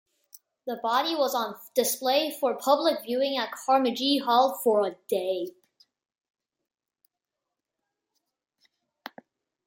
The body was on display for public viewing at Karimjee Hall for a day.